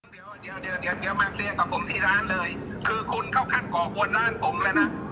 เดี๋ยวเดี๋ยวเดี๋ยวมาเคลียร์กับผมที่ร้านเลยคือคุณเข้าขั้นก่อกวนร้านผมเลยนะ